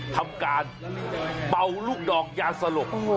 ทำการเป่าลูกดองยาสลบ